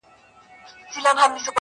بله چي وي راز د زندګۍ لري!!